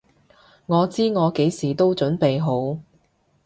我知我幾時都準備好！